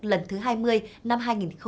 lần thứ hai mươi năm hai nghìn một mươi tám